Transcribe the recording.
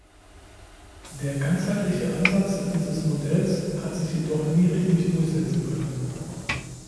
Der ganzheitliche Ansatz dieses Modells hat sich jedoch nie richtig durchsetzen können.